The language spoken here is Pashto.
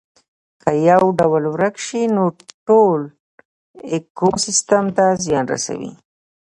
که یو ډول ورک شي نو ټول ایکوسیستم ته زیان رسیږي